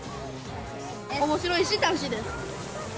おもしろいし、楽しいです。